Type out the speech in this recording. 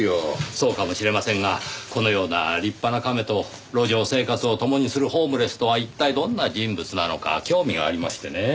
そうかもしれませんがこのような立派なカメと路上生活を共にするホームレスとは一体どんな人物なのか興味がありましてね。